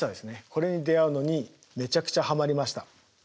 これに出会うのにめちゃくちゃはまりました。